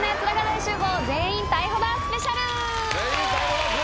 全員逮捕だスペシャル！